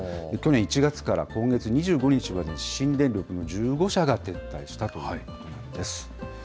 去年１月から今月２５日までに、新電力の１５社が撤退したということなんです。